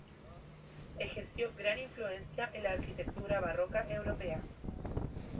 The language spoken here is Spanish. Ejerció gran influencia en la arquitectura barroca europea.